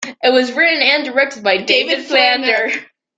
It was written and directed by David Flander.